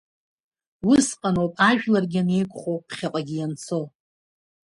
Уысҟан оуп ажәларгьы анеиқәхо, ԥхьаҟагьы ианцо.